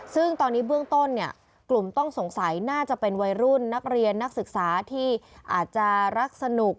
ซึ่งตอนนี้เบื้องต้นเนี่ยกลุ่มต้องสงสัยน่าจะเป็นวัยรุ่นนักเรียนนักศึกษาที่อาจจะรักสนุก